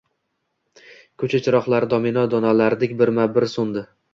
Ko’cha chiroqlari domino donalaridek birma bir so’ndi.